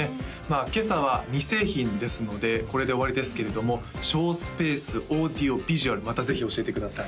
今朝は２製品ですのでこれで終わりですけれども省スペースオーディオビジュアルまたぜひ教えてください